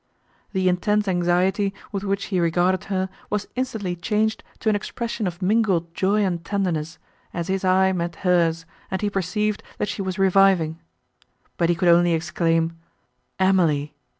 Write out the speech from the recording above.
The intense anxiety, with which he regarded her, was instantly changed to an expression of mingled joy and tenderness, as his eye met hers, and he perceived, that she was reviving. But he could only exclaim, "Emily!"